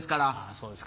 そうですか。